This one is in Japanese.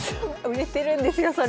売れてるんですよそれは。